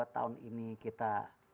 tahun ini kita